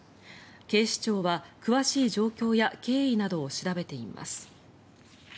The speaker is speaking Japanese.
警視庁は詳しい状況や経緯などを調べています。